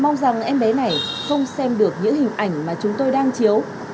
mong rằng em bé này không xem được những hình ảnh mà chúng tôi đang chiếu